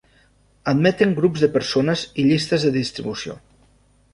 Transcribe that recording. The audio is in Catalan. Admeten grups de persones i llistes de distribució.